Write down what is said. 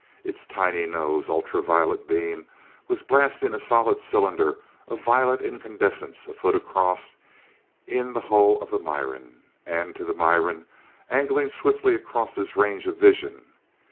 Its tiny nose ultra violet beam was blasting a solid cylinder of violet incandescence a foot across in the hull of the Miran and, to the Miran, angling swiftly across his range of vision.